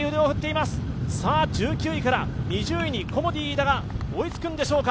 １９位から２０位にコモディイイダが追いつくんでしょうか？